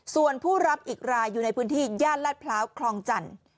ส่วนผู้รับอีกรายอยู่ในพื้นที่ย่านลาดพร้าวคลองจันทร์